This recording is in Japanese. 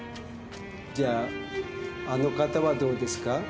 じゃああの方はどうですか？